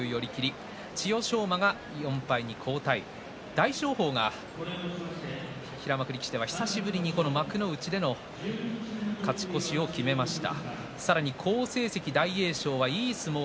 大翔鵬が平幕力士では久しぶりに幕内で勝ち越しを決めました。